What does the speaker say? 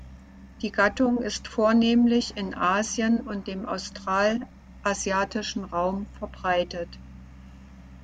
Die Gattung ist vornehmlich in Asien und dem australasiatischen Raum verbreitet.